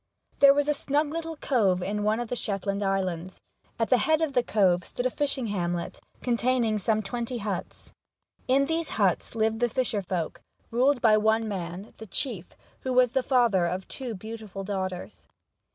THERE was a snug little cove in one of the Shetland Islands. At the head of the cove stood a fishing hamlet, containing some twenty huts. In these huts lived the fisher folk, ruled by one man the chief who was the father of two beautiful daughters.